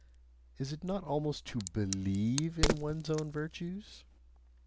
Is it not almost to BELIEVE in one's own virtues?